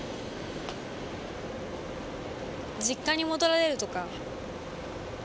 実家に戻られるとか。